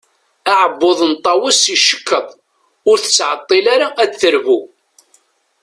Aɛebbuḍ n Tawes icekkeḍ, ur tettɛeṭṭil ara ad d-terbu.